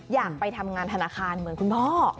อยากไปทำงานธนาคารเหมือนคุณพ่อ